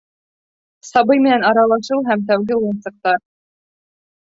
Сабый менән аралашыу һәм тәүге уйынсыҡтар